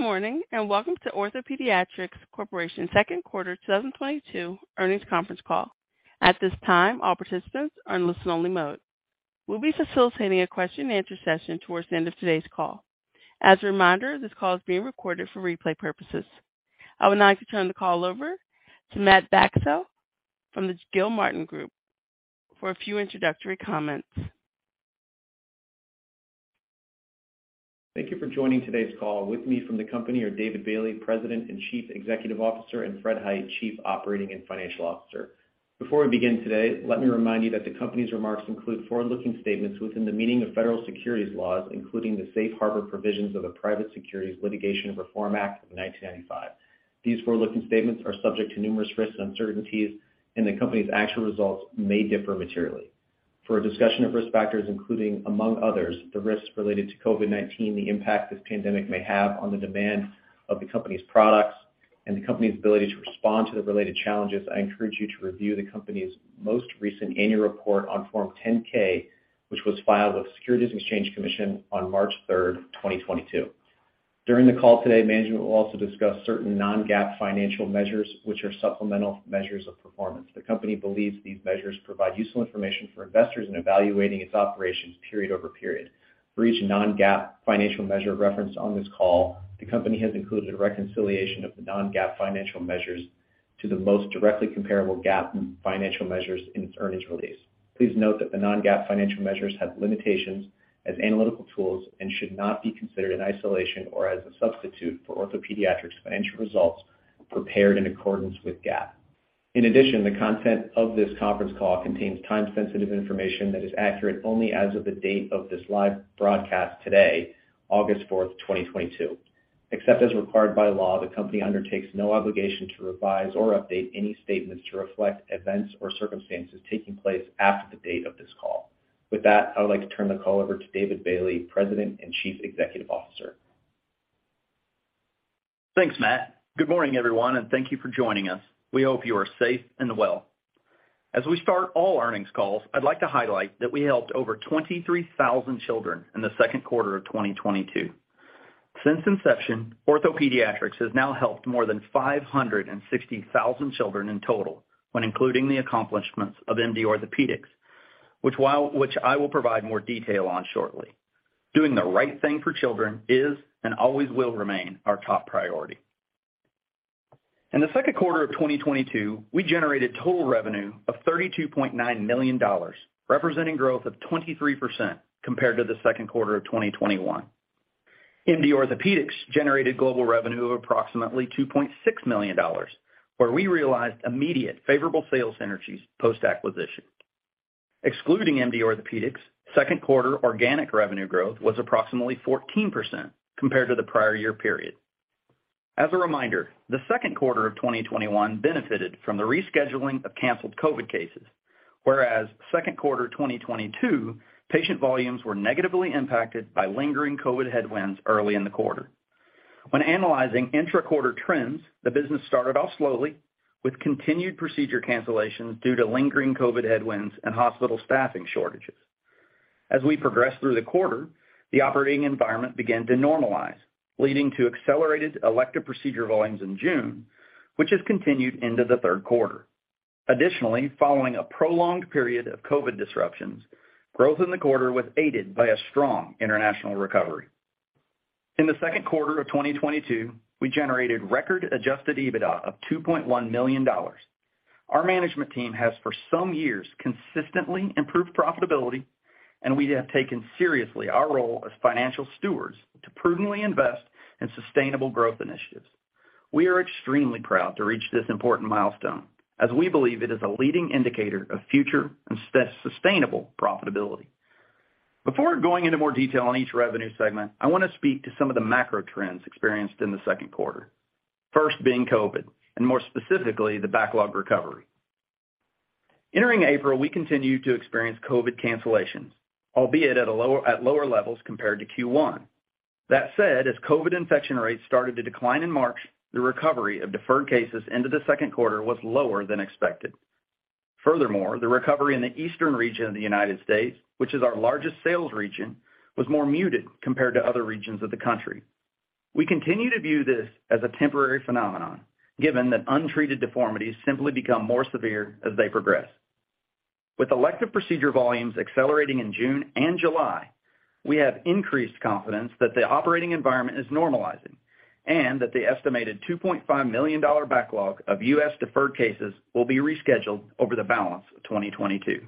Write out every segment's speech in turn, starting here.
Good morning, and welcome to OrthoPediatrics Corp. Q2 2022 Earnings Conference Call. At this time, all participants are in listen-only mode. We'll be facilitating a question-and-answer session towards the end of today's call. As a reminder, this call is being recorded for replay purposes. I would now like to turn the call over to Matt Picciano from the Gilmartin Group for a few introductory comments. Thank you for joining today's call. With me from the company are David Bailey, President and Chief Executive Officer, and Fred Hite, Chief Operating and Financial Officer. Before we begin today, let me remind you that the company's remarks include forward-looking statements within the meaning of federal securities laws, including the safe harbor provisions of the Private Securities Litigation Reform Act of 1995. These forward-looking statements are subject to numerous risks and uncertainties, and the company's actual results may differ materially. For a discussion of risk factors, including, among others, the risks related to COVID-19, the impact this pandemic may have on the demand of the company's products and the company's ability to respond to the related challenges, I encourage you to review the company's most recent annual report on Form 10-K, which was filed with Securities and Exchange Commission on March 3rd, 2022. During the call today, management will also discuss certain non-GAAP financial measures, which are supplemental measures of performance. The company believes these measures provide useful information for investors in evaluating its operations period over period. For each non-GAAP financial measure referenced on this call, the company has included a reconciliation of the non-GAAP financial measures to the most directly comparable GAAP financial measures in its earnings release. Please note that the non-GAAP financial measures have limitations as analytical tools and should not be considered in isolation or as a substitute for OrthoPediatrics' financial results prepared in accordance with GAAP. In addition, the content of this conference call contains time-sensitive information that is accurate only as of the date of this live broadcast today, August 4, 2022. Except as required by law, the company undertakes no obligation to revise or update any statements to reflect events or circumstances taking place after the date of this call. With that, I would like to turn the call over to David Bailey, President and Chief Executive Officer. Thanks, Matt. Good morning, everyone, and thank you for joining us. We hope you are safe and well. As we start all earnings calls, I'd like to highlight that we helped over 23,000 children in Q2 of 2022. Since inception, OrthoPediatrics has now helped more than 560,000 children in total when including the accomplishments of MD Orthopaedics, which I will provide more detail on shortly. Doing the right thing for children is and always will remain our top priority. In Q2 of 2022, we generated total revenue of $32.9 million, representing growth of 23% compared to Q2 of 2021. MD Orthopaedics generated global revenue of approximately $2.6 million, where we realized immediate favorable sales synergies post-acquisition. Excluding MD Orthopaedics, Q2 organic revenue growth was approximately 14% compared to the prior year period. As a reminder, Q2 of 2021 benefited from the rescheduling of canceled COVID cases, whereas Q2 2022 patient volumes were negatively impacted by lingering COVID headwinds early in the quarter. When analyzing intra-quarter trends, the business started off slowly with continued procedure cancellations due to lingering COVID headwinds and hospital staffing shortages. As we progressed through the quarter, the operating environment began to normalize, leading to accelerated elective procedure volumes in June, which has continued into Q3. Additionally, following a prolonged period of COVID disruptions, growth in the quarter was aided by a strong international recovery. In Q2 of 2022, we generated record adjusted EBITDA of $2.1 million. Our management team has for some years consistently improved profitability, and we have taken seriously our role as financial stewards to prudently invest in sustainable growth initiatives. We are extremely proud to reach this important milestone as we believe it is a leading indicator of future and sustainable profitability. Before going into more detail on each revenue segment, I wanna speak to some of the macro trends experienced in Q2. First being COVID, and more specifically, the backlog recovery. Entering April, we continued to experience COVID cancellations, albeit at lower levels compared to Q1. That said, as COVID infection rates started to decline in March, the recovery of deferred cases into Q2 was lower than expected. Furthermore, the recovery in the eastern region of the United States, which is our largest sales region, was more muted compared to other regions of the country. We continue to view this as a temporary phenomenon, given that untreated deformities simply become more severe as they progress. With elective procedure volumes accelerating in June and July, we have increased confidence that the operating environment is normalizing and that the estimated $2.5 million backlog of U.S. deferred cases will be rescheduled over the balance of 2022.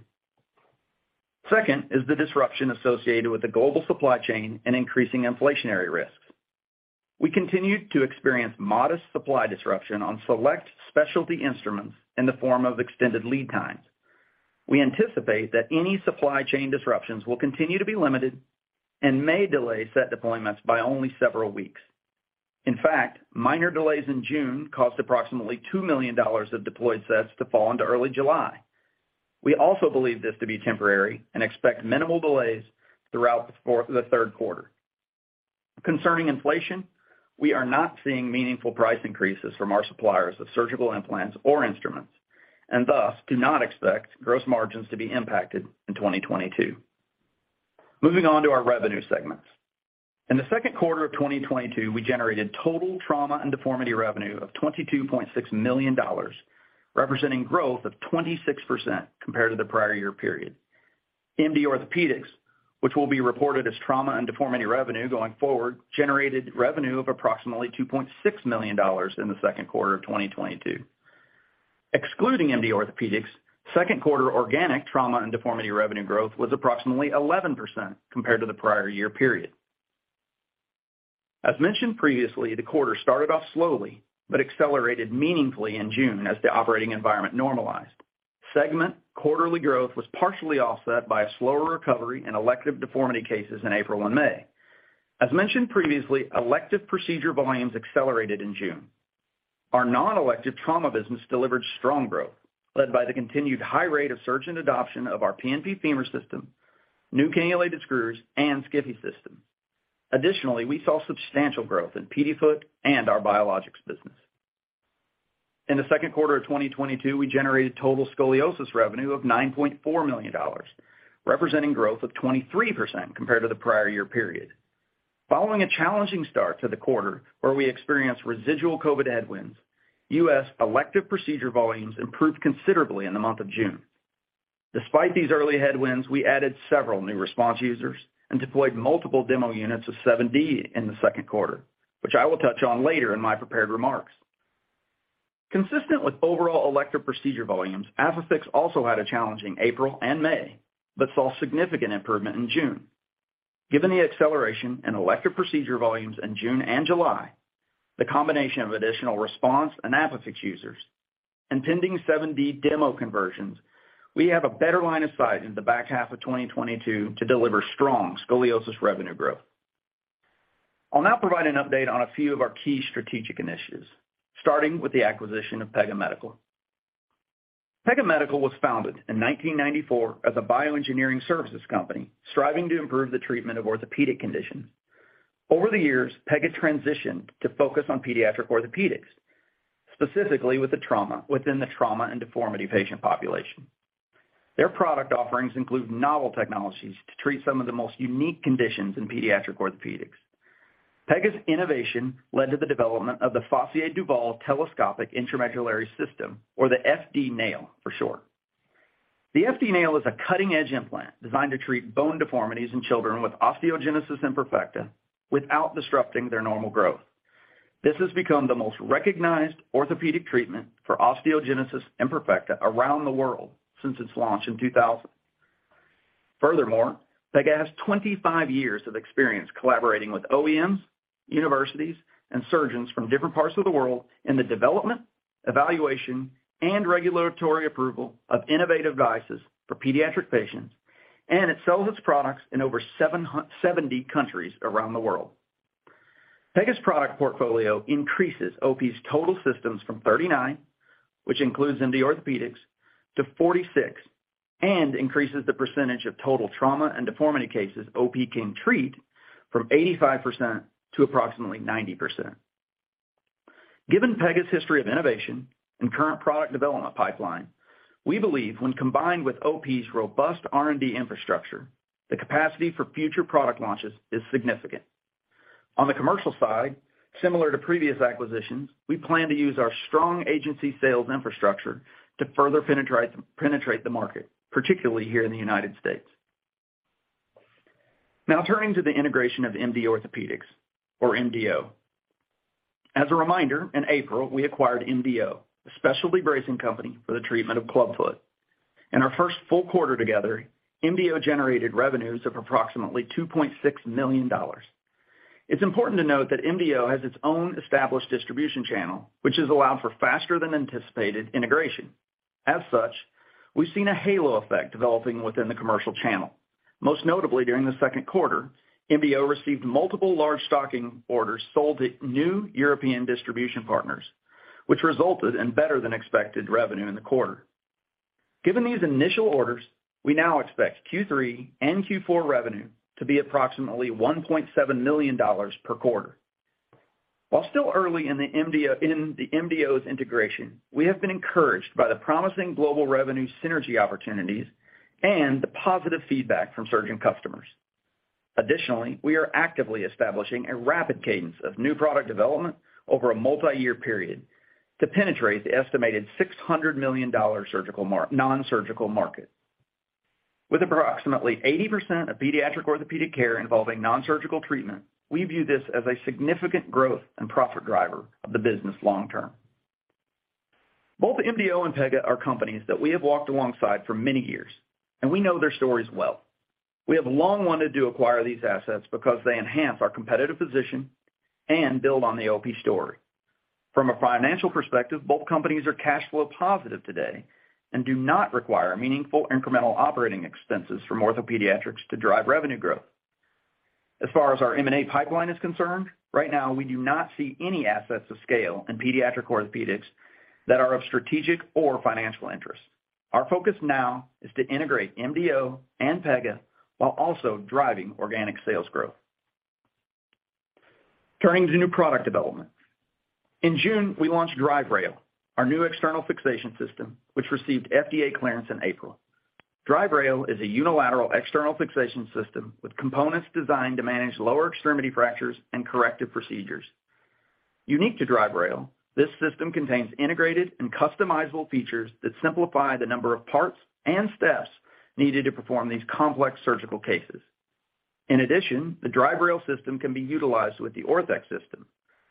Second is the disruption associated with the global supply chain and increasing inflationary risks. We continued to experience modest supply disruption on select specialty instruments in the form of extended lead times. We anticipate that any supply chain disruptions will continue to be limited and may delay set deployments by only several weeks. In fact, minor delays in June caused approximately $2 million of deployed sets to fall into early July. We also believe this to be temporary and expect minimal delays throughout Q3. Concerning inflation, we are not seeing meaningful price increases from our suppliers of surgical implants or instruments, and thus do not expect gross margins to be impacted in 2022. Moving on to our revenue segments. In Q2 of 2022, we generated total Trauma and Deformity revenue of $22.6 million, representing growth of 26% compared to the prior year period. MD Orthopaedics, which will be reported as Trauma and Deformity revenue going forward, generated revenue of approximately $2.6 million in Q2 of 2022. Excluding MD Orthopaedics, Q2 organic Trauma and Deformity revenue growth was approximately 11% compared to the prior year period. As mentioned previously, the quarter started off slowly but accelerated meaningfully in June as the operating environment normalized. Segment quarterly growth was partially offset by a slower recovery in elective deformity cases in April and May. As mentioned previously, elective procedure volumes accelerated in June. Our nonelective trauma business delivered strong growth, led by the continued high rate of surgeon adoption of our PNP|FEMUR system, new Cannulated Screws, and Skiffy system. Additionally, we saw substantial growth in PedFoot and our biologics business. In Q2 of 2022, we generated total Scoliosis revenue of $9.4 million, representing growth of 23% compared to the prior year period. Following a challenging start to the quarter where we experienced residual COVID headwinds, U.S. elective procedure volumes improved considerably in the month of June. Despite these early headwinds, we added several new RESPONSE users and deployed multiple demo units of 7D in Q2, which I will touch on later in my prepared remarks. Consistent with overall elective procedure volumes, ApiFix also had a challenging April and May but saw significant improvement in June. Given the acceleration in elective procedure volumes in June and July, the combination of additional RESPONSE and ApiFix users and pending 7D demo conversions, we have a better line of sight in the back half of 2022 to deliver strong scoliosis revenue growth. I'll now provide an update on a few of our key strategic initiatives, starting with the acquisition of Pega Medical. Pega Medical was founded in 1994 as a bioengineering services company striving to improve the treatment of orthopedic conditions. Over the years, Pega transitioned to focus on pediatric orthopedics, specifically within the Trauma and Deformity patient population. Their product offerings include novel technologies to treat some of the most unique conditions in pediatric orthopedics. Pega's innovation led to the development of the Fassier-Duval Telescopic Intramedullary System or the FD Nail for short. The FD Nail is a cutting edge implant designed to treat bone deformities in children with osteogenesis imperfecta without disrupting their normal growth. This has become the most recognized orthopedic treatment for osteogenesis imperfecta around the world since its launch in 2000. Furthermore, Pega has 25 years of experience collaborating with OEMs, universities and surgeons from different parts of the world in the development, evaluation, and regulatory approval of innovative devices for pediatric patients. It sells its products in over 70 countries around the world. Pega's product portfolio increases OP's total systems from 39, which includes MD Orthopaedics to 46, and increases the percentage of total trauma and deformity cases OP can treat from 85% to approximately 90%. Given Pega's history of innovation and current product development pipeline, we believe when combined with OP's robust R&D infrastructure, the capacity for future product launches is significant. On the commercial side, similar to previous acquisitions, we plan to use our strong agency sales infrastructure to further penetrate the market, particularly here in the United States. Now turning to the integration of MD Orthopaedics or MDO. As a reminder, in April, we acquired MDO, a specialty bracing company for the treatment of clubfoot. In our first full quarter together, MDO generated revenues of approximately $2.6 million. It's important to note that MDO has its own established distribution channel, which has allowed for faster than anticipated integration. As such, we've seen a halo effect developing within the commercial channel. Most notably during Q2, MDO received multiple large stocking orders sold to new European distribution partners, which resulted in better than expected revenue in the quarter. Given these initial orders, we now expect Q3 and Q4 revenue to be approximately $1.7 million per quarter. While still early in the MDO's integration, we have been encouraged by the promising global revenue synergy opportunities and the positive feedback from surgeon customers. Additionally, we are actively establishing a rapid cadence of new product development over a multi-year period to penetrate the estimated $600 million nonsurgical market. With approximately 80% of pediatric orthopedic care involving nonsurgical treatment, we view this as a significant growth and profit driver of the business long term. Both MDO and Pega are companies that we have walked alongside for many years, and we know their stories well. We have long wanted to acquire these assets because they enhance our competitive position and build on the OP story. From a financial perspective, both companies are cash flow positive today and do not require meaningful incremental operating expenses from OrthoPediatrics to drive revenue growth. As far as our M&A pipeline is concerned, right now we do not see any assets of scale in pediatric orthopedics that are of strategic or financial interest. Our focus now is to integrate MDO and Pega while also driving organic sales growth. Turning to new product development. In June, we launched Drive Rail, our new external fixation system, which received FDA clearance in April. Drive Rail is a unilateral external fixation system with components designed to manage lower extremity fractures and corrective procedures. Unique to DRIVE Rail, this system contains integrated and customizable features that simplify the number of parts and steps needed to perform these complex surgical cases. In addition, the DRIVE Rail system can be utilized with the OrthoSystem,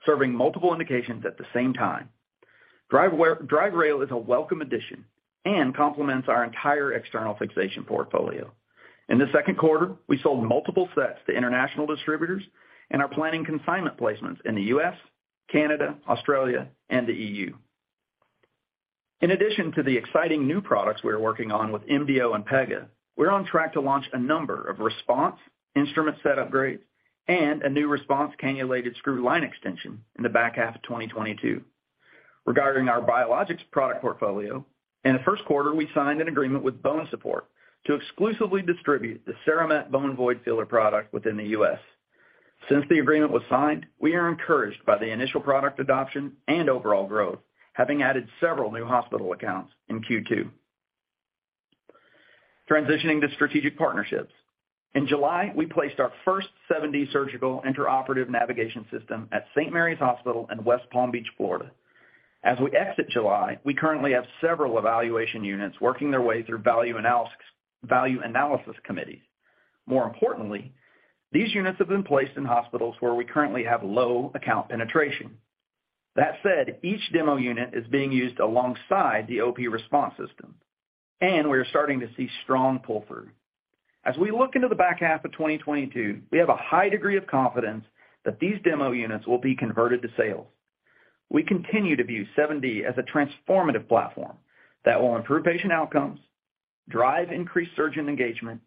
serving multiple indications at the same time. DRIVE Rail is a welcome addition and complements our entire external fixation portfolio. In Q2, we sold multiple sets to international distributors and are planning consignment placements in the US, Canada, Australia, and the EU. In addition to the exciting new products we are working on with MDO and Pega, we're on track to launch a number of RESPONSE instrument set upgrades and a new RESPONSE cannulated screw line extension in the back half of 2022. Regarding our biologics product portfolio, in Q1, we signed an agreement with BONESUPPORT to exclusively distribute the CERAMENT Bone Void Filler product within the U.S. Since the agreement was signed, we are encouraged by the initial product adoption and overall growth, having added several new hospital accounts in Q2. Transitioning to strategic partnerships. In July, we placed our first 7D Surgical intraoperative navigation system at St. Mary's Hospital in West Palm Beach, Florida. As we exit July, we currently have several evaluation units working their way through value analysis committees. More importantly, these units have been placed in hospitals where we currently have low account penetration. That said, each demo unit is being used alongside the RESPONSE system, and we are starting to see strong pull-through. As we look into the back half of 2022, we have a high degree of confidence that these demo units will be converted to sales. We continue to view 7D as a transformative platform that will improve patient outcomes, drive increased surgeon engagement,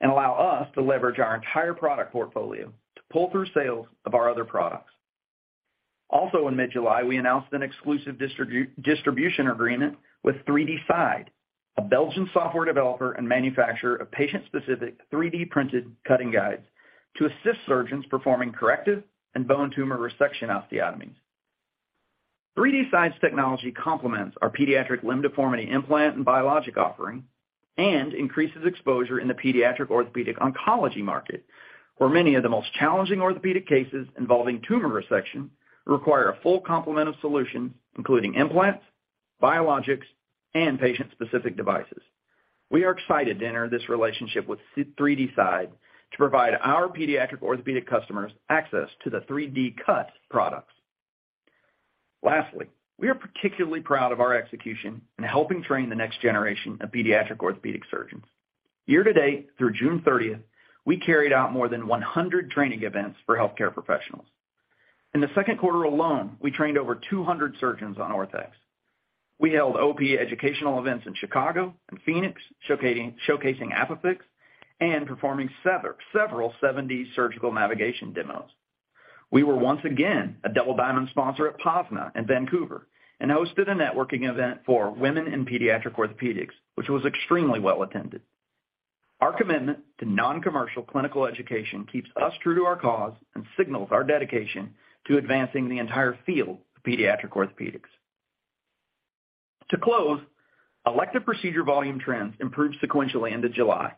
and allow us to leverage our entire product portfolio to pull through sales of our other products. Also in mid-July, we announced an exclusive distribution agreement with 3D-Side, a Belgian software developer and manufacturer of patient-specific 3D printed cutting guides to assist surgeons performing corrective and bone tumor resection osteotomies. 3D-Side's technology complements our pediatric limb deformity implant and biologic offering and increases exposure in the pediatric orthopedic oncology market, where many of the most challenging orthopedic cases involving tumor resection require a full complement of solutions, including implants, biologics, and patient-specific devices. We are excited to enter this relationship with 3D-Side to provide our pediatric orthopedic customers access to the 3D-CUT products. Lastly, we are particularly proud of our execution in helping train the next generation of pediatric orthopedic surgeons. Year to date, through June thirtieth, we carried out more than 100 training events for healthcare professionals. In Q2 alone, we trained over 200 surgeons on Ortho. We held OP educational events in Chicago and Phoenix, showcasing ApiFix, and performing several 7D surgical navigation demos. We were once again a Double Diamond sponsor at POSNA in Vancouver and hosted a networking event for Women in Pediatric Orthopedics, which was extremely well attended. Our commitment to non-commercial clinical education keeps us true to our cause and signals our dedication to advancing the entire field of pediatric orthopedics. To close, elective procedure volume trends improved sequentially into July,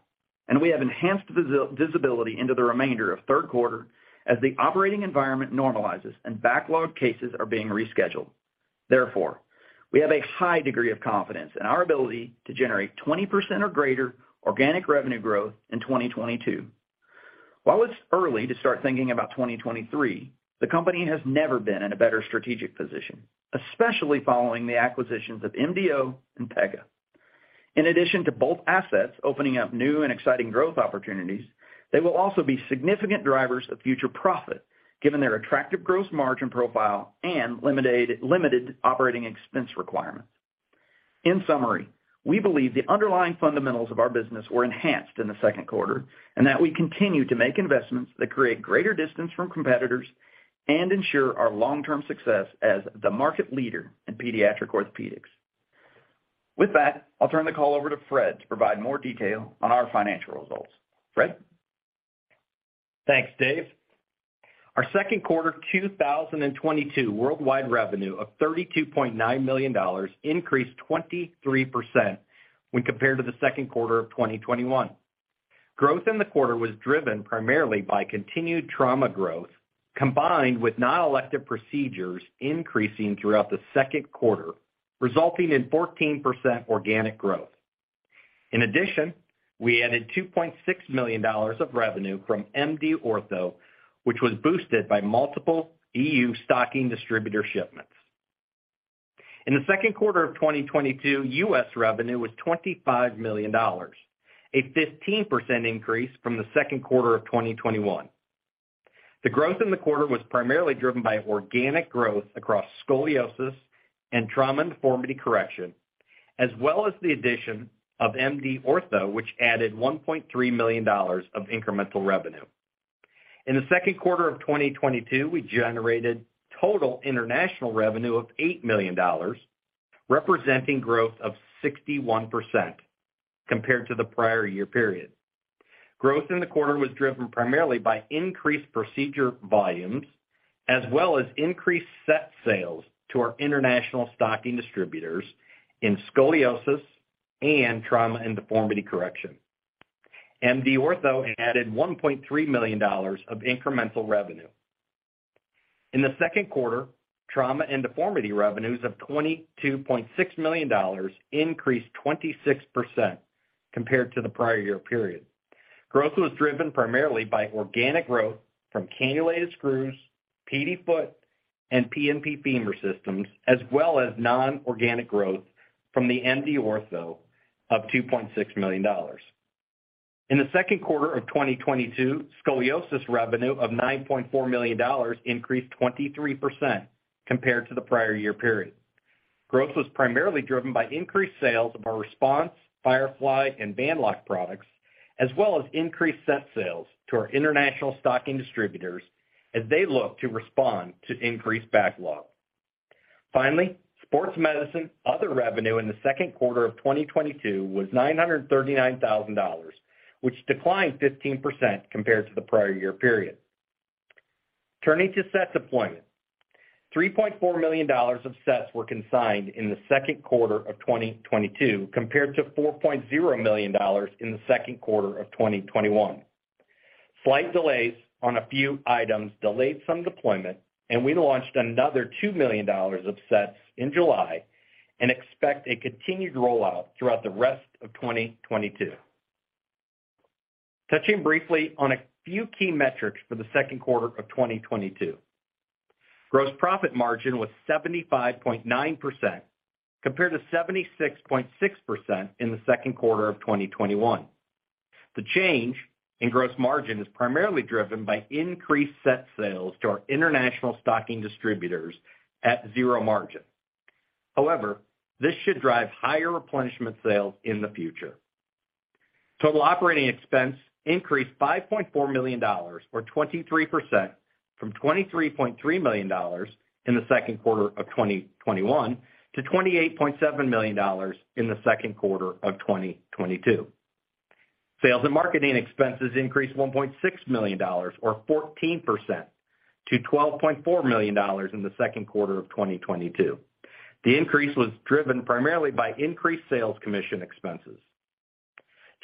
and we have enhanced visibility into the remainder of Q3 as the operating environment normalizes and backlog cases are being rescheduled. Therefore, we have a high degree of confidence in our ability to generate 20% or greater organic revenue growth in 2022. While it's early to start thinking about 2023, the company has never been in a better strategic position, especially following the acquisitions of MDO and PEGA. In addition to both assets opening up new and exciting growth opportunities, they will also be significant drivers of future profit, given their attractive gross margin profile and limited operating expense requirements. In summary, we believe the underlying fundamentals of our business were enhanced in Q2, and that we continue to make investments that create greater distance from competitors and ensure our long-term success as the market leader in pediatric orthopedics. With that, I'll turn the call over to Fred to provide more detail on our financial results. Fred? Thanks, Dave. Our Q2 2022 worldwide revenue of $32.9 million increased 23% when compared to Q2 of 2021. Growth in the quarter was driven primarily by continued trauma growth, combined with non-elective procedures increasing throughout the Q2, resulting in 14% organic growth. In addition, we added $2.6 million of revenue from MD Orthopaedics, which was boosted by multiple EU stocking distributor shipments. In Q2 of 2022, U.S. revenue was $25 million, a 15% increase from Q2 of 2021. The growth in the quarter was primarily driven by organic growth across scoliosis and trauma & deformity correction, as well as the addition of MD Orthopaedics, which added $1.3 million of incremental revenue. In Q2 of 2022, we generated total international revenue of $8 million, representing growth of 61% compared to the prior year period. Growth in the quarter was driven primarily by increased procedure volumes as well as increased set sales to our international stocking distributors in scoliosis and trauma and deformity correction. MD Orthopaedics added $1.3 million of incremental revenue. In Q2, trauma and deformity revenues of $22.6 million increased 26% compared to the prior year period. Growth was driven primarily by organic growth from cannulated screws, PediFoot, and PNP|FEMUR systems, as well as non-organic growth from the MD Orthopaedics of $2.6 million. In Q2 of 2022, scoliosis revenue of $9.4 million increased 23% compared to the prior year period. Growth was primarily driven by increased sales of our RESPONSE, FIREFLY, and BandLoc products, as well as increased set sales to our international stocking distributors as they look to respond to increased backlog. Finally, Sports Medicine other revenue in Q2 of 2022 was $939 thousand, which declined 15% compared to the prior year period. Turning to set deployment, $3.4 million of sets were consigned in Q2 of 2022 compared to $4.0 million in Q2 of 2021. Slight delays on a few items delayed some deployment, and we launched another $2 million of sets in July and expect a continued rollout throughout the rest of 2022. Touching briefly on a few key metrics for Q2 of 2022. Gross profit margin was 75.9% compared to 76.6% in Q2 of 2021. The change in gross margin is primarily driven by increased set sales to our international stocking distributors at zero margin. However, this should drive higher replenishment sales in the future. Total operating expense increased $5.4 million or 23% from $23.3 million in Q2 of 2021 to $28.7 million in Q2 of 2022. Sales and marketing expenses increased $1.6 million or 14% to $12.4 million Q2 of 2022. The increase was driven primarily by increased sales commission expenses.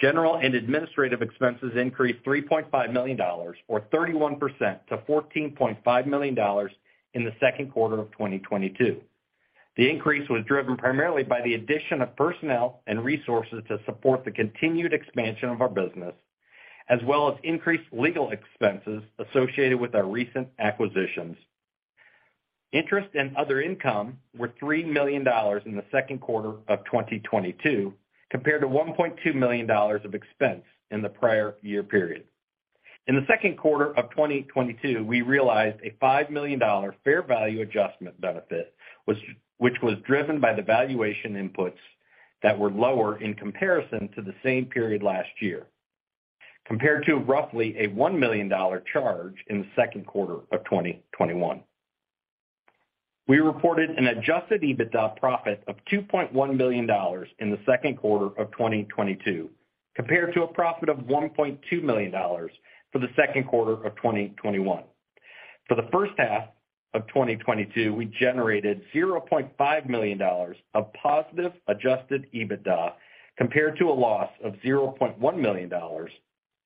General and administrative expenses increased $3.5 million or 31% to $14.5 million in Q2 of 2022. The increase was driven primarily by the addition of personnel and resources to support the continued expansion of our business, as well as increased legal expenses associated with our recent acquisitions. Interest and other income were $3 million in Q2 of 2022 compared to $1.2 million of expense in the prior year period. In Q2 of 2022, we realized a $5 million fair value adjustment benefit, which was driven by the valuation inputs that were lower in comparison to the same period last year, compared to roughly a $1 million charge in Q2 of 2021. We reported an adjusted EBITDA profit of $2.1 million in Q2 of 2022, compared to a profit of $1.2 million for Q2 of 2021. For the first half of 2022, we generated $0.5 million of positive adjusted EBITDA, compared to a loss of $0.1 million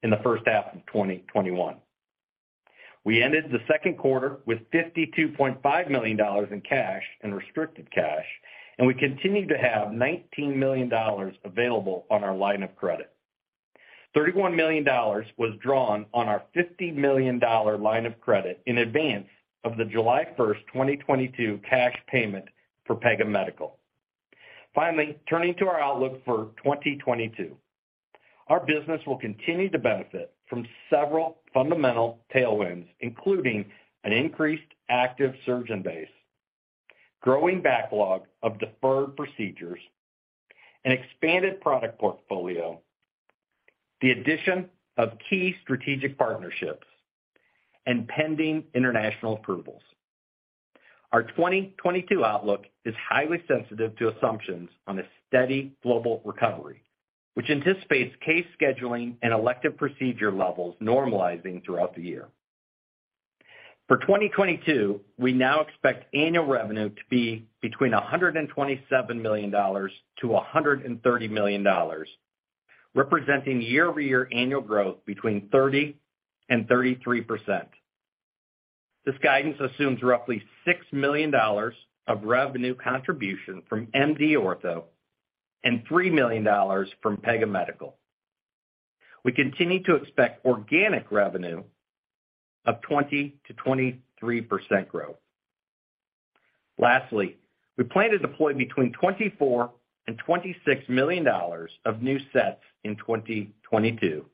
in the first half of 2021. We ended Q2 with $52.5 million in cash and restricted cash, and we continue to have $19 million available on our line of credit. $31 million was drawn on our $50 million line of credit in advance of the July 1, 2022 cash payment for Pega Medical. Finally, turning to our outlook for 2022. Our business will continue to benefit from several fundamental tailwinds, including an increased active surgeon base, growing backlog of deferred procedures, an expanded product portfolio, the addition of key strategic partnerships, and pending international approvals. Our 2022 outlook is highly sensitive to assumptions on a steady global recovery, which anticipates case scheduling and elective procedure levels normalizing throughout the year. For 2022, we now expect annual revenue to be between $127 million-$130 million, representing year-over-year annual growth between 30%-33%. This guidance assumes roughly $6 million of revenue contribution from MD Orthopaedics and $3 million from Pega Medical. We continue to expect organic revenue of 20%-23% growth. Lastly, we plan to deploy between $24 million and $26 million of new sets in 2022,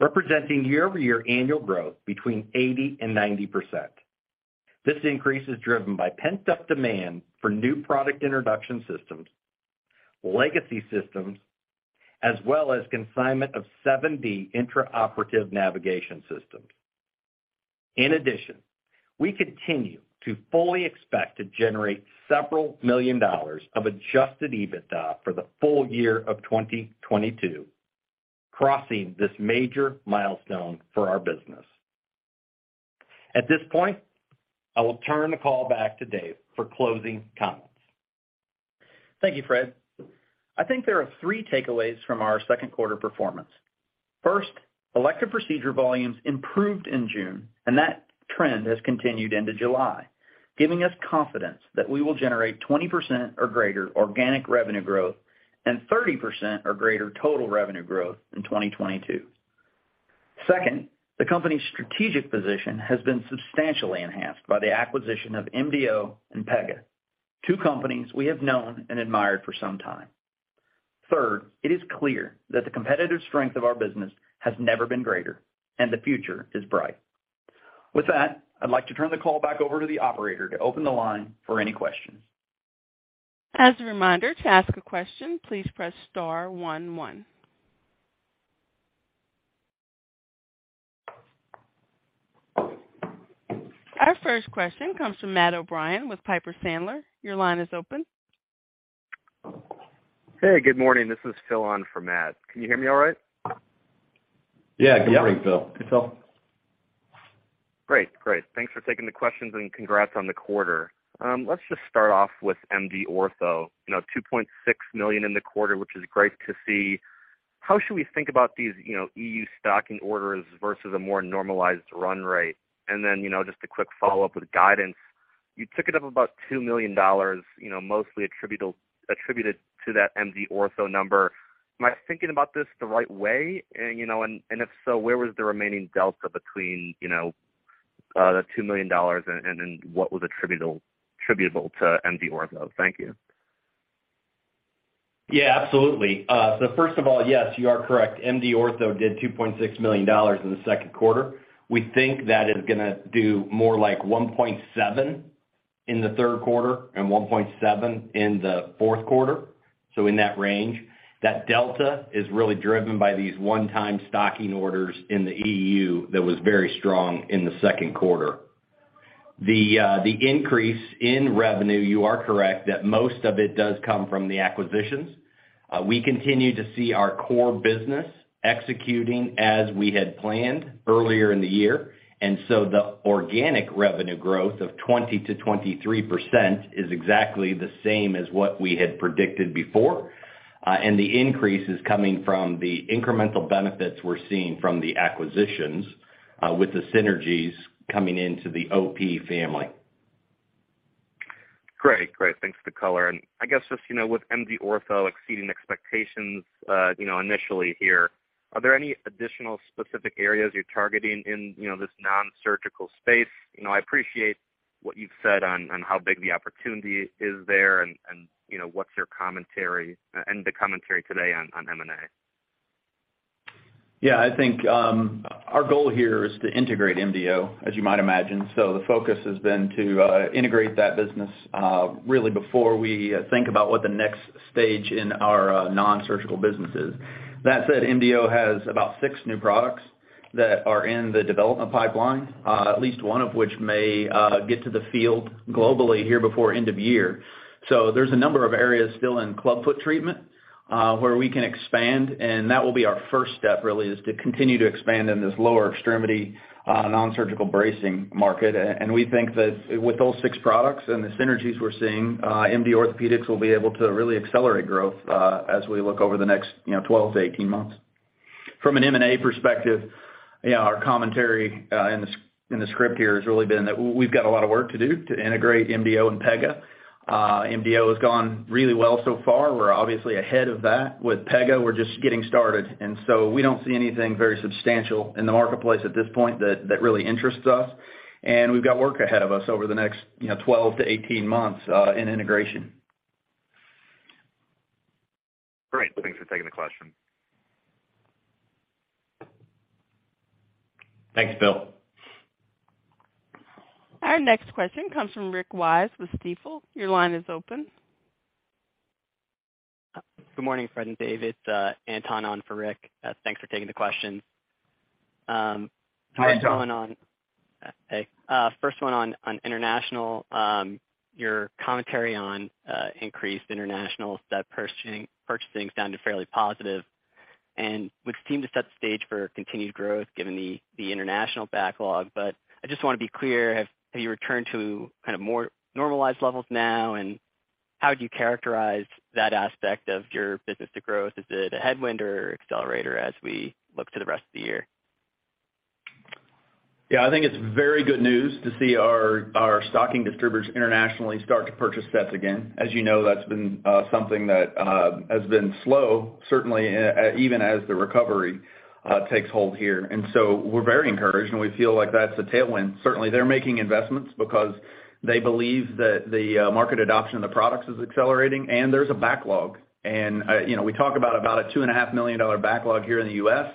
representing year-over-year annual growth between 80% and 90%. This increase is driven by pent-up demand for new product introduction systems, legacy systems, as well as consignment of 7D intraoperative navigation systems. In addition, we continue to fully expect to generate $several million of adjusted EBITDA for the full year of 2022, crossing this major milestone for our business. At this point, I will turn the call back to Dave for closing comments. Thank you, Fred. I think there are three takeaways from our Q2 performance. First, elective procedure volumes improved in June, and that trend has continued into July, giving us confidence that we will generate 20% or greater organic revenue growth and 30% or greater total revenue growth in 2022. Second, the company's strategic position has been substantially enhanced by the acquisition of MDO and Pega, two companies we have known and admired for some time. Third, it is clear that the competitive strength of our business has never been greater, and the future is bright. With that, I'd like to turn the call back over to the operator to open the line for any questions. As a reminder, to ask a question, please press star one. Our first question comes from Matthew O'Brien with Piper Sandler. Your line is open. Hey, good morning. This is Phil on for Matt. Can you hear me all right? Yeah. Good morning, Phil. Yeah. Hey, Phil. Great. Great. Thanks for taking the questions and congrats on the quarter. Let's just start off with MD Orthopaedics. You know, $2.6 million in the quarter, which is great to see. How should we think about these, you know, EU stocking orders versus a more normalized run rate? You know, just a quick follow-up with guidance. You took it up about $2 million, you know, mostly attributed to that MD Orthopaedics number. Am I thinking about this the right way? You know, and if so, where was the remaining delta between, you know, the $2 million and then what was attributable to MD Orthopaedics? Thank you. Yeah, absolutely. So first of all, yes, you are correct. MD Orthopaedics did $2.6 million in Q2. We think that is gonna do more like $1.7 million in Q3 and $1.7 million in Q4, so in that range. That delta is really driven by these one-time stocking orders in the EU that was very strong in Q2. The increase in revenue, you are correct that most of it does come from the acquisitions. We continue to see our core business executing as we had planned earlier in the year. The organic revenue growth of 20%-23% is exactly the same as what we had predicted before. The increase is coming from the incremental benefits we're seeing from the acquisitions, with the synergies coming into the OrthoPediatrics family. Great. Thanks for the color. I guess just, you know, with MD Orthopaedics exceeding expectations, you know, initially here, are there any additional specific areas you're targeting in, you know, this nonsurgical space? You know, I appreciate what you've said on how big the opportunity is there and, you know, what's your commentary and the commentary today on M&A. Yeah, I think our goal here is to integrate MDO, as you might imagine. The focus has been to integrate that business really before we think about what the next stage in our nonsurgical business is. That said, MDO has about six new products that are in the development pipeline, at least one of which may get to the field globally here before end of year. There's a number of areas still in clubfoot treatment where we can expand, and that will be our first step really is to continue to expand in this lower extremity nonsurgical bracing market. And we think that with those six products and the synergies we're seeing, MD Orthopaedics will be able to really accelerate growth as we look over the next you know 12-18 months. From an M&A perspective, you know, our commentary in the script here has really been that we've got a lot of work to do to integrate MDO and Pega. MDO has gone really well so far. We're obviously ahead of that. With Pega, we're just getting started. We don't see anything very substantial in the marketplace at this point that really interests us. We've got work ahead of us over the next, you know, 12-18 months in integration. Great. Thanks for taking the question. Thanks, Phil. Our next question comes from Rick Wise with Stifel. Your line is open. Good morning, Fred and David. Anton on for Rick. Thanks for taking the question. Hi, Anton First one on international. Your commentary on increased international purchasing sounded fairly positive and would seem to set the stage for continued growth given the international backlog. I just want to be clear, have you returned to kind of more normalized levels now? And how would you characterize that aspect of your business to growth? Is it a headwind or accelerator as we look to the rest of the year? Yeah, I think it's very good news to see our stocking distributors internationally start to purchase sets again. As you know, that's been something that has been slow, certainly, even as the recovery takes hold here. We're very encouraged, and we feel like that's a tailwind. Certainly, they're making investments because they believe that the market adoption of the products is accelerating and there's a backlog. You know, we talk about a $2.5 million backlog here in the U.S.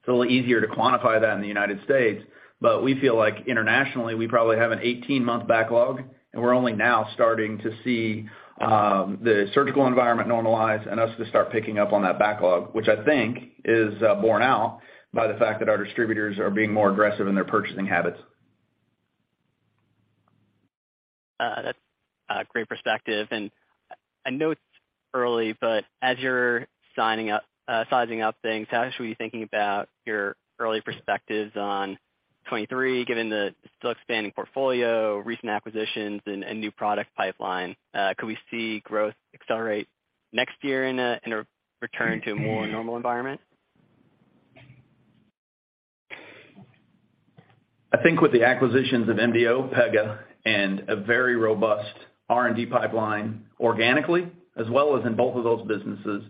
It's a little easier to quantify that in the United States. We feel like internationally, we probably have an 18-month backlog, and we're only now starting to see the surgical environment normalize and us to start picking up on that backlog, which I think is borne out by the fact that our distributors are being more aggressive in their purchasing habits. Great perspective. I know it's early, but as you're sizing up things, how should we be thinking about your early perspectives on 2023, given the still expanding portfolio, recent acquisitions and new product pipeline? Could we see growth accelerate next year in a return to a more normal environment? I think with the acquisitions of MDO, Pega, and a very robust R&D pipeline organically, as well as in both of those businesses,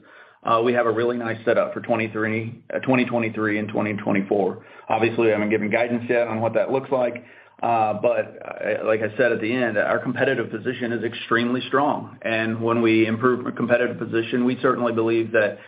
we have a really nice setup for 2023 and 2024. Obviously, I haven't given guidance yet on what that looks like. Like I said at the end, our competitive position is extremely strong. When we improve our competitive position, we certainly believe that,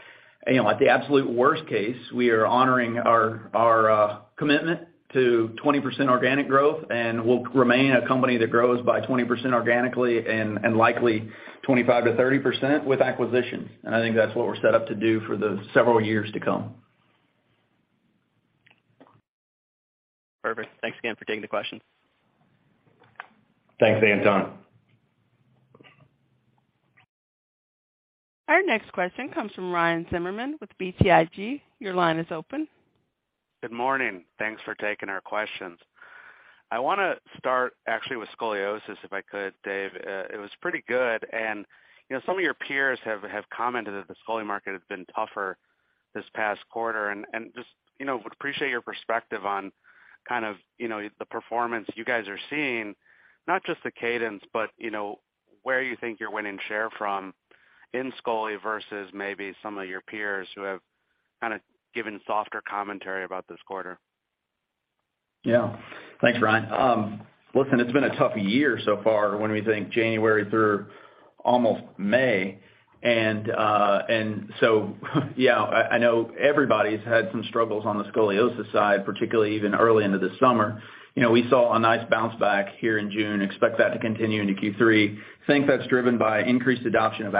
you know, at the absolute worst case, we are honoring our commitment to 20% organic growth, and we'll remain a company that grows by 20% organically and likely 25%-30% with acquisitions. I think that's what we're set up to do for the several years to come. Perfect. Thanks again for taking the question. Thanks, Anton. Our next question comes from Ryan Zimmerman with BTIG. Your line is open. Good morning. Thanks for taking our questions. I wanna start actually with scoliosis, if I could, Dave. It was pretty good. You know, some of your peers have commented that the scoli market has been tougher this past quarter. Just, you know, would appreciate your perspective on kind of, you know, the performance you guys are seeing, not just the cadence, but, you know, where you think you're winning share from in scoli versus maybe some of your peers who have kinda given softer commentary about this quarter. Yeah. Thanks, Ryan. Listen, it's been a tough year so far when we think January through almost May. I know everybody's had some struggles on the scoliosis side, particularly even early into the summer. You know, we saw a nice bounce back here in June, expect that to continue into Q3. Think that's driven by increased adoption of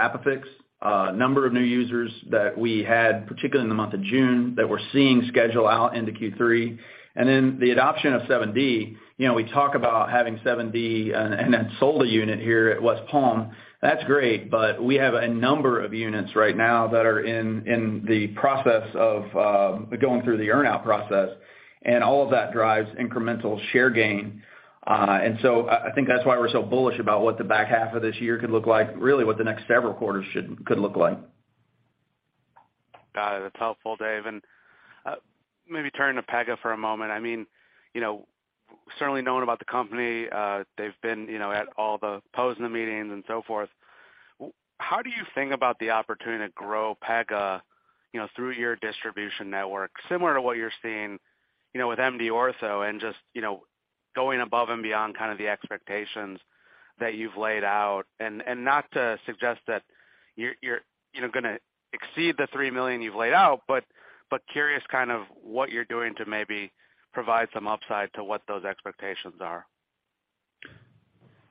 ApiFix. Number of new users that we had, particularly in the month of June, that we're seeing schedule out into Q3. Then the adoption of 7D, you know, we talk about having 7D in that we sold a unit here at West Palm. That's great, but we have a number of units right now that are in the process of going through the earn-out process, and all of that drives incremental share gain. I think that's why we're so bullish about what the back half of this year could look like, really what the next several quarters could look like. Got it. That's helpful, Dave. Maybe turning to Pega for a moment. I mean, you know, certainly knowing about the company, they've been, you know, at all the POSNA meetings and so forth. How do you think about the opportunity to grow Pega, you know, through your distribution network, similar to what you're seeing, you know, with MD Orthopaedics and just, you know, going above and beyond kind of the expectations that you've laid out? Not to suggest that you're, you know, gonna exceed the $3 million you've laid out, but curious kind of what you're doing to maybe provide some upside to what those expectations are.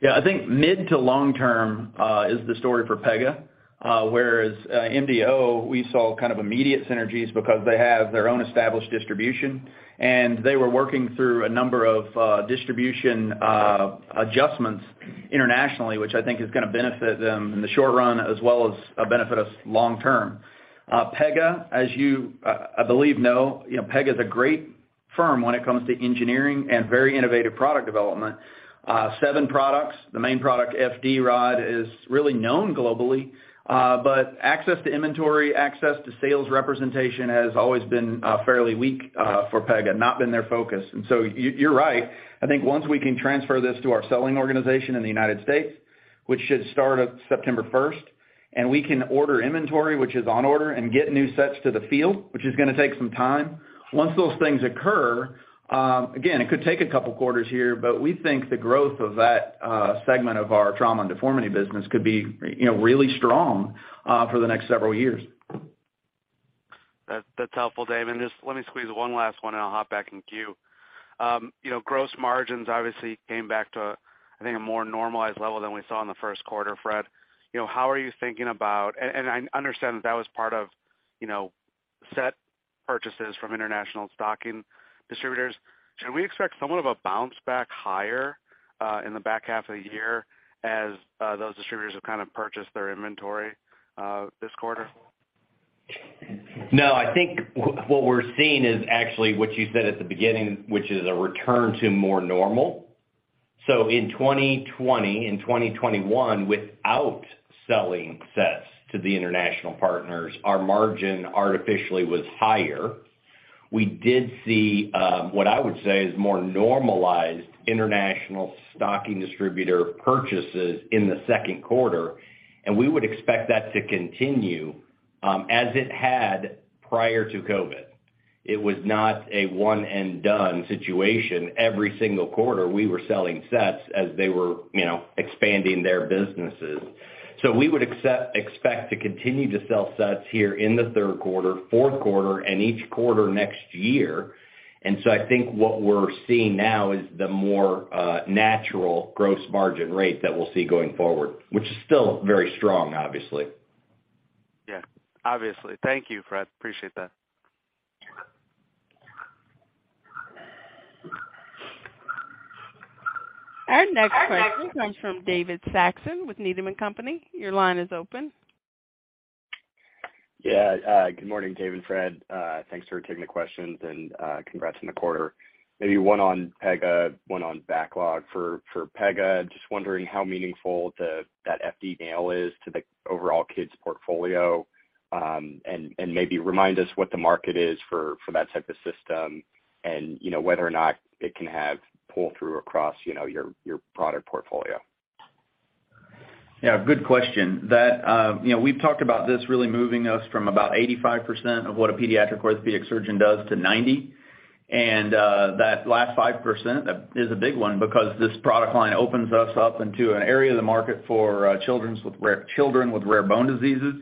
Yeah. I think mid to long term is the story for Pega. Whereas MDO, we saw kind of immediate synergies because they have their own established distribution, and they were working through a number of distribution adjustments internationally, which I think is gonna benefit them in the short run as well as benefit us long term. Pega, as you, I believe, know, you know, Pega is a great firm when it comes to engineering and very innovative product development. Seven products, the main product FD rod is really known globally. Access to inventory, access to sales representation has always been fairly weak for Pega, not been their focus. You're right. I think once we can transfer this to our selling organization in the United States, which should start at September first, and we can order inventory which is on order and get new sets to the field, which is gonna take some time. Once those things occur, again, it could take a couple quarters here, but we think the growth of that segment of our Trauma and Deformity business could be, you know, really strong for the next several years. That's helpful, Dave. Just let me squeeze one last one, and I'll hop back in queue. You know, gross margins obviously came back to, I think, a more normalized level than we saw in Q1. Fred, you know, how are you thinking about it. I understand that was part of, you know, net purchases from international stocking distributors. Should we expect somewhat of a bounce back higher in the back half of the year as those distributors have kind of purchased their inventory this quarter? No, I think what we're seeing is actually what you said at the beginning, which is a return to more normal. In 2020 and 2021, without selling sets to the international partners, our margin artificially was higher. We did see what I would say is more normalized international stocking distributor purchases in Q2, and we would expect that to continue as it had prior to COVID. It was not a one and done situation. Every single quarter, we were selling sets as they were, you know, expanding their businesses. We would expect to continue to sell sets here in Q3,Q4 and each quarter next year. I think what we're seeing now is the more natural gross margin rate that we'll see going forward, which is still very strong, obviously. Yeah. Obviously. Thank you, Fred. Appreciate that. Our next question comes from David Saxon with Needham & Company. Your line is open. Yeah. Good morning, Dave and Fred. Thanks for taking the questions and, congrats on the quarter. Maybe one on Pega, one on backlog. For Pega, just wondering how meaningful that FD Nail is to the overall kids portfolio, and maybe remind us what the market is for that type of system and, you know, whether or not it can have pull-through across, you know, your product portfolio. Yeah, good question. That we've talked about this really moving us from about 85% of what a pediatric orthopedic surgeon does to 90. That last 5% is a big one because this product line opens us up into an area of the market for children with rare bone diseases.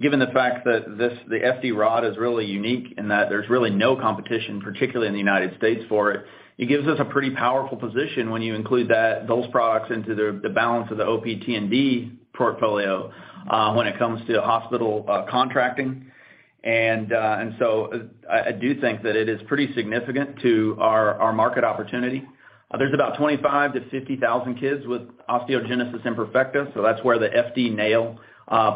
Given the fact that this, the FD rod is really unique in that there's really no competition, particularly in the United States for it gives us a pretty powerful position when you include that, those products into the balance of the T&D portfolio, when it comes to hospital contracting. I do think that it is pretty significant to our market opportunity. There's about 25-50,000 kids with osteogenesis imperfecta, so that's where the FD nail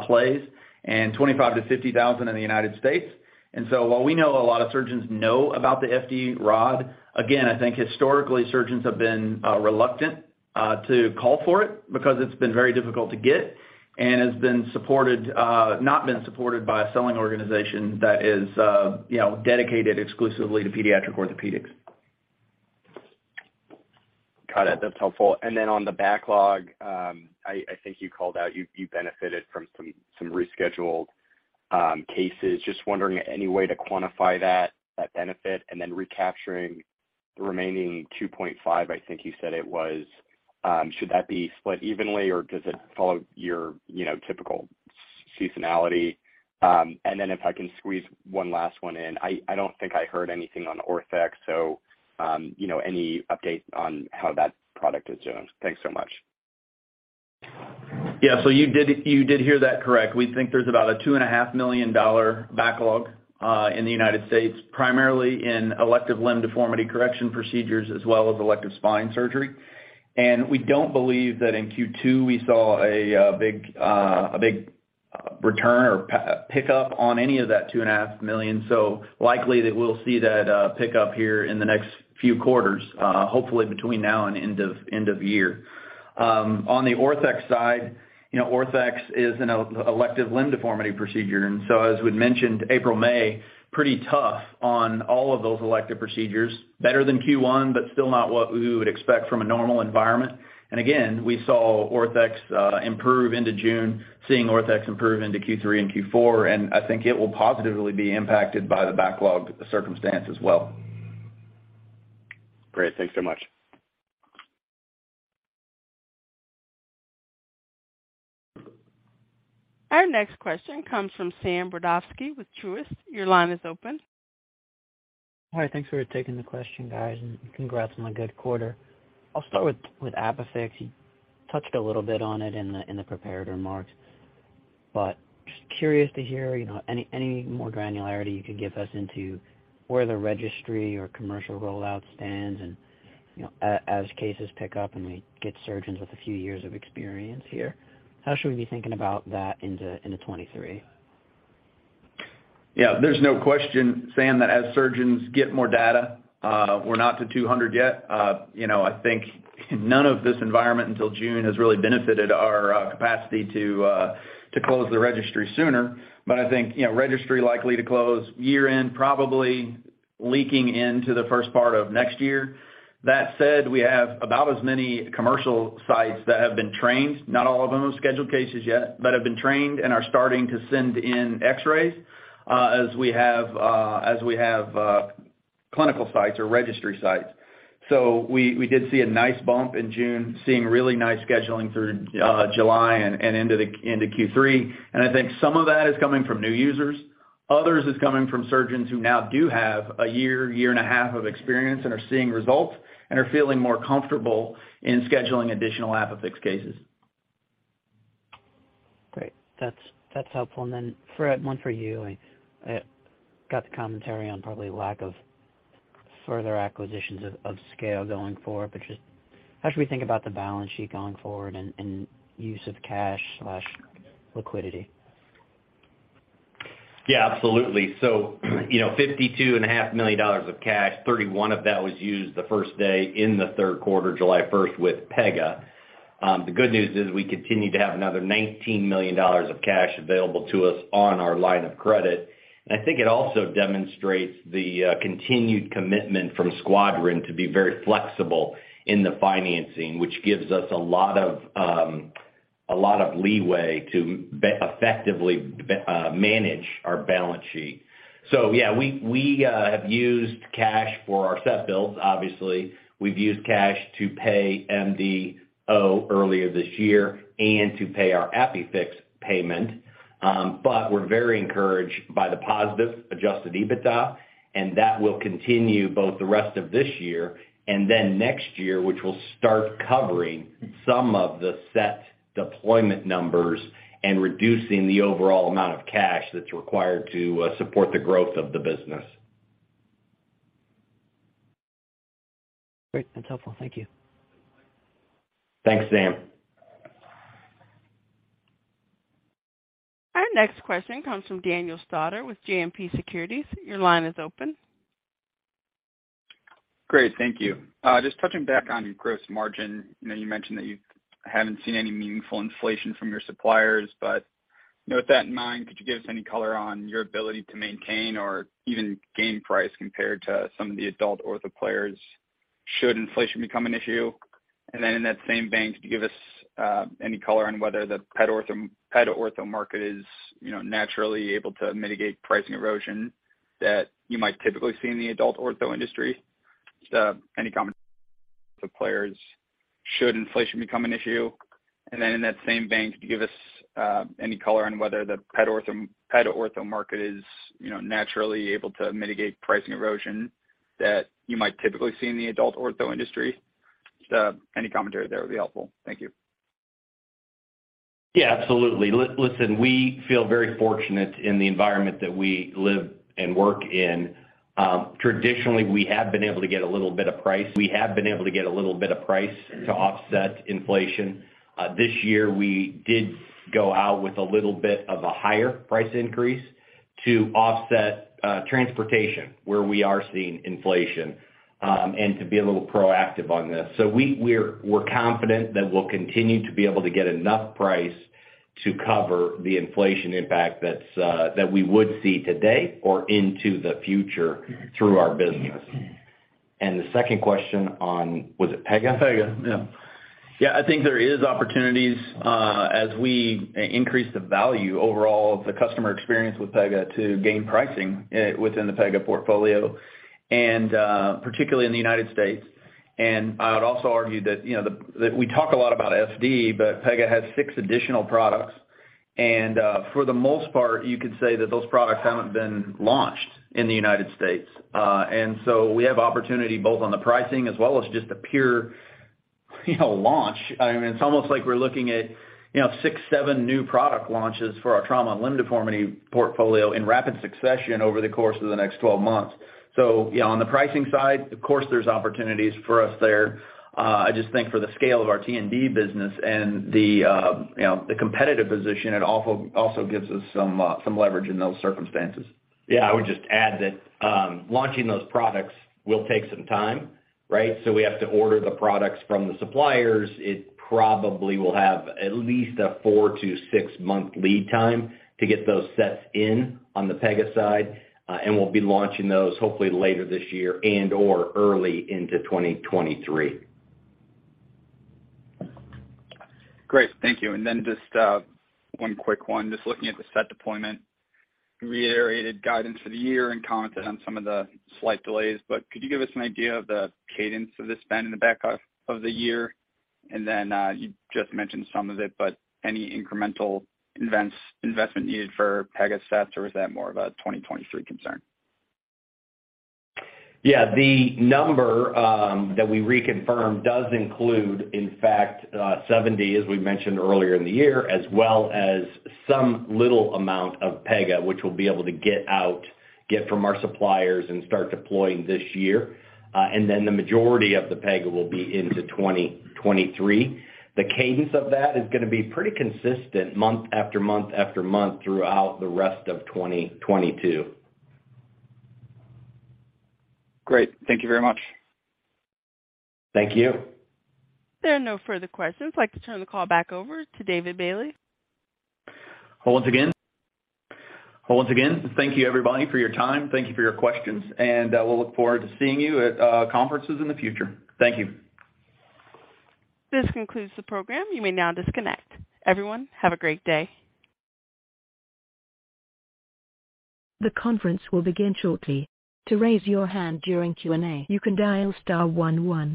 plays, and 25-50,000 in the United States. While we know a lot of surgeons know about the FD rod, again, I think historically, surgeons have been reluctant to call for it because it's been very difficult to get and not been supported by a selling organization that is, you know, dedicated exclusively to pediatric orthopedics. Got it. That's helpful. On the backlog, I think you called out you benefited from some rescheduled cases. Just wondering any way to quantify that benefit, and then recapturing the remaining 2.5, I think you said it was, should that be split evenly or does it follow your, you know, typical seasonality? If I can squeeze one last one in, I don't think I heard anything on ORTHEX, so, you know, any update on how that product is doing? Thanks so much. Yeah. You did hear that correct. We think there's about a $2.5 million backlog in the United States, primarily in elective limb deformity correction procedures as well as elective spine surgery. We don't believe that in Q2 we saw a big return or pick up on any of that $2.5 million. Likely that we'll see that pick up here in the next few quarters, hopefully between now and end of year. On the ORTHEX side, you know, ORTHEX is an elective limb deformity procedure, and so as we'd mentioned, April, May, pretty tough on all of those elective procedures. Better than Q1, but still not what we would expect from a normal environment. Again, we saw ORTHEX improve into June, seeing ORTHEX improve into Q3 and Q4, and I think it will positively be impacted by the backlog circumstance as well. Great. Thanks so much. Our next question comes from Samuel Brodovsky with Truist. Your line is open. Hi. Thanks for taking the question, guys, and congrats on a good quarter. I'll start with ApiFix. You touched a little bit on it in the prepared remarks, but just curious to hear, you know, any more granularity you could give us into where the registry or commercial rollout stands and, you know, as cases pick up and we get surgeons with a few years of experience here, how should we be thinking about that into 2023? Yeah, there's no question, Sam Brodovsky, that as surgeons get more data, we're not to 200 yet. You know, I think in this environment until June has really benefited our capacity to close the registry sooner. I think, you know, registry likely to close year-end, probably slipping into the first part of next year. That said, we have about as many commercial sites that have been trained, not all of them have scheduled cases yet, but have been trained and are starting to send in X-rays, as we have clinical sites or registry sites. We did see a nice bump in June, seeing really nice scheduling through July and into Q3. I think some of that is coming from new users. Others is coming from surgeons who now do have a year and a half of experience and are seeing results and are feeling more comfortable in scheduling additional ApiFix cases. Great. That's helpful. Fred, one for you. I got the commentary on probably lack of further acquisitions of scale going forward, but just how should we think about the balance sheet going forward and use of cash liquidity? Yeah, absolutely. You know, $52 and a half million dollars of cash, $31 of that was used the first day in Q3, July first with Pega. The good news is we continue to have another $19 million dollars of cash available to us on our line of credit. I think it also demonstrates the continued commitment from Squadron to be very flexible in the financing, which gives us a lot of leeway to effectively manage our balance sheet. We have used cash for our set builds, obviously. We've used cash to pay MDO earlier this year and to pay our ApiFix payment. We're very encouraged by the positive adjusted EBITDA, and that will continue both the rest of this year and then next year, which will start covering some of the set deployment numbers and reducing the overall amount of cash that's required to support the growth of the business. Great. That's helpful. Thank you. Thanks, Sam. Our next question comes from Daniel Stauder with JMP Securities. Your line is open. Great. Thank you. Just touching back on your gross margin. I know you mentioned that you haven't seen any meaningful inflation from your suppliers, but, you know, with that in mind, could you give us any color on your ability to maintain or even gain price compared to some of the adult ortho players should inflation become an issue? And then in that same vein, could you give us any color on whether the ped ortho market is, you know, naturally able to mitigate pricing erosion that you might typically see in the adult ortho industry? Any commentary there would be helpful. Thank you. Yeah, absolutely. Listen, we feel very fortunate in the environment that we live and work in. Traditionally, we have been able to get a little bit of price. We have been able to get a little bit of price to offset inflation. This year we did go out with a little bit of a higher price increase to offset transportation where we are seeing inflation, and to be a little proactive on this. We're confident that we'll continue to be able to get enough price to cover the inflation impact that we would see today or into the future through our business. The second question on—was it Pega? Pega, yeah. Yeah, I think there is opportunities as we increase the value overall of the customer experience with Pega to gain pricing within the Pega portfolio and particularly in the United States. I would also argue that, you know, that we talk a lot about FD, but Pega has six additional products. For the most part, you could say that those products haven't been launched in the United States. We have opportunity both on the pricing as well as just the pure, you know, launch. I mean, it's almost like we're looking at, you know, six, sevennew product launches for our Trauma and Deformity portfolio in rapid succession over the course of the next 12 months. Yeah, on the pricing side, of course, there's opportunities for us there. I just think for the scale of our T&D business and the, you know, the competitive position, it also gives us some leverage in those circumstances. Yeah, I would just add that launching those products will take some time, right? We have to order the products from the suppliers. It probably will have at least a four to six month lead time to get those sets in on the PEGA side. We'll be launching those hopefully later this year and/or early into 2023. Great. Thank you. Just one quick one. Just looking at the set deployment, you reiterated guidance for the year and commented on some of the slight delays, but could you give us an idea of the cadence of the spend in the back half of the year? You just mentioned some of it, but any incremental investment needed for Pega sets or is that more of a 2023 concern? Yeah, the number that we reconfirmed does include, in fact, 70 as we mentioned earlier in the year, as well as some little amount of Pega, which we'll be able to get from our suppliers and start deploying this year. The majority of the Pega will be into 2023. The cadence of that is gonna be pretty consistent month after month after month throughout the rest of 2022. Great. Thank you very much. Thank you. There are no further questions. I'd like to turn the call back over to David Bailey. Well, once again, thank you everybody for your time. Thank you for your questions, and we'll look forward to seeing you at conferences in the future. Thank you. This concludes the program. You may now disconnect. Everyone, have a great day. The conference will begin shortly. To raise your hand during Q&A, you can dial star 1 1.